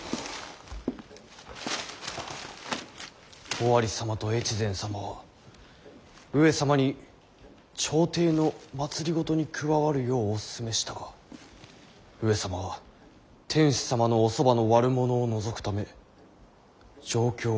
「尾張様と越前様は上様に朝廷の政に加わるようお勧めしたが上様は天子様のおそばの悪者を除くため上京を決められた。